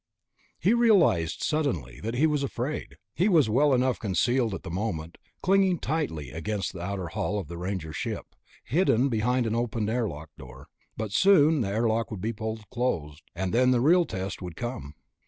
He realized, suddenly, that he was afraid. He was well enough concealed at the moment, clinging tightly against the outside hull of the Ranger ship, hidden behind the open airlock door. But soon the airlock would be pulled closed, and then the real test would come.